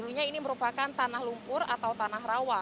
dulunya ini merupakan tanah lumpur atau tanah rawa